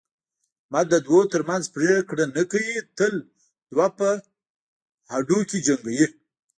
احمد د دوو ترمنځ پرېکړه نه کوي، تل دوه په هډوکي جنګوي.